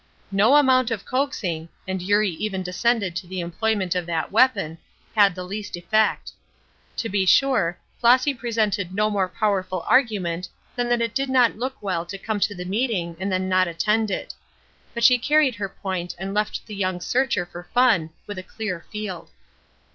No amount of coaxing and Eurie even descended to the employment of that weapon had the least effect. To be sure, Flossy presented no more powerful argument than that it did not look well to come to the meeting and then not attend it. But she carried her point and left the young searcher for fun with a clear field.